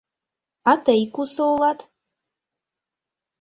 А тый кусо улат?